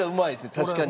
確かに。